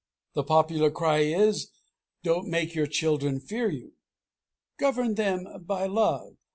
The popular cry is, Don't make your children fear you. Govern them by love.